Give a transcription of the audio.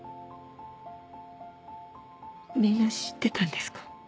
みんな知ってたんですか？